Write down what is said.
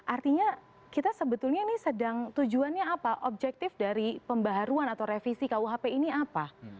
artinya kita sebetulnya ini sedang tujuannya apa objektif dari pembaharuan atau revisi kuhp ini apa